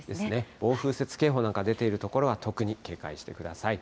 暴風雪警報なんか出ている所は特に警戒してください。